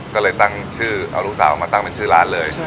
ก็เลยตั้งชื่อเอาลูกสาวมาตั้งเป็นชื่อร้านเลย